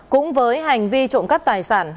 cũng với hành vi trộm cắt tài sản